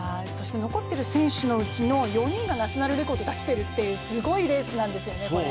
残っている選手のうちの４人がナショナルレコード出してるっていうすごいレースなんですよ。